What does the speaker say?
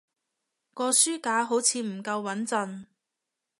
個書架好似唔夠穏陣